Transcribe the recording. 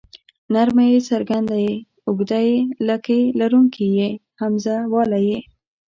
نرمه ی څرګنده ي اوږده ې لکۍ لرونکې ۍ همزه واله ئ